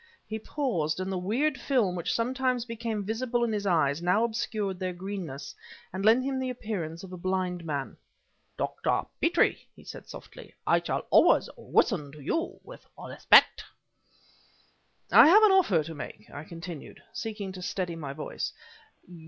He paused, and the weird film, which sometimes became visible in his eyes, now obscured their greenness, and lent him the appearance of a blind man. "Dr. Petrie," he said, softly, "I shall always listen to you with respect." "I have an offer to make," I continued, seeking to steady my voice.